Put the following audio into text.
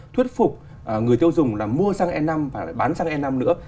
thuyết phục người tiêu dùng là mua xăng e năm và bán xăng e năm nữa